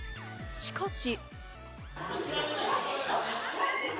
しかし。